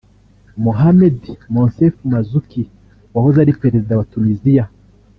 Mohamed Moncef Marzouki wahoze ari Perezida wa Tunisia